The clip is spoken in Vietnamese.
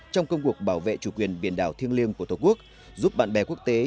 trong công cuộc bảo vệ chủ quyền biển đảo thiêng liêng của tổ quốc giúp bạn bè quốc tế